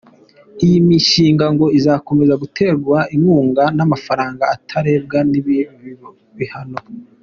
Iyi mishinga ngo izakomeza guterwa inkunga n’amafaranga atarebwa n’ibi bihano.